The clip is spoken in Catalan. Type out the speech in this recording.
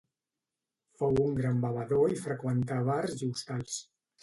Fou un gran bevedor i freqüentà bars i hostals.